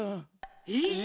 えっ？